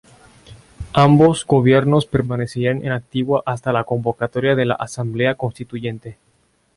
Ambos gobiernos permanecerían en activo hasta la convocatoria de la asamblea constituyente.